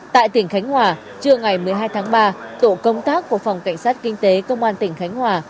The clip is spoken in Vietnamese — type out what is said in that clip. tại tỉnh khánh hòa trưa ngày một mươi hai tháng ba tổ công tác của phòng cảnh sát kinh tế công an tỉnh khánh hòa